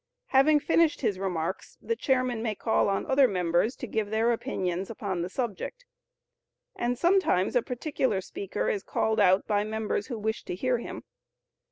Having finished his remarks, the chairman may call on other members to give their opinions upon the subject, and sometimes a particular speaker is called out by members who wish to hear him.